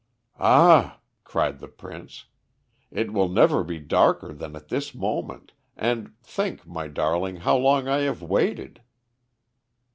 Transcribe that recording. "Ah!" cried the Prince, "it will never be darker than at this moment, and think, my darling, how long I have waited!"